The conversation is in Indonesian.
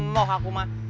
moh aku mah